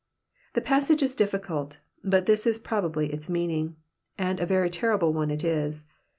The passage is difficult, but this is probably its meaning, and a very ten ible one it is.